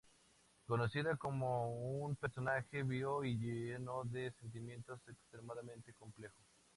Conocida como un personaje vio y lleno de sentimientos, extremadamente complejo.